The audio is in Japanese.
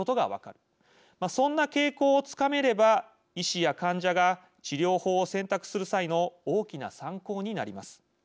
そんな傾向をつかめれば医師や患者が治療法を選択する際の大きな参考になります。